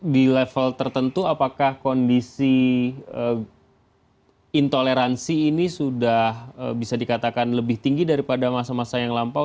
di level tertentu apakah kondisi intoleransi ini sudah bisa dikatakan lebih tinggi daripada masa masa yang lampau